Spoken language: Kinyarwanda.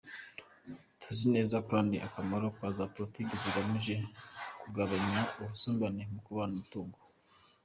Tuzi neza kandi akamaro ka za politiki zigamije kugabanya ubusumbane mu kubona umutungo.